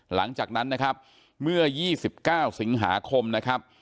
หลังจากนั้นนะครับเมื่อยี่สิบเก้าสิงหาคมนะครับ